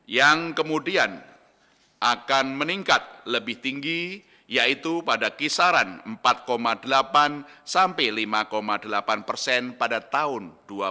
yang kemudian akan meningkat lebih tinggi yaitu pada kisaran empat delapan sampai lima delapan persen pada tahun dua ribu dua puluh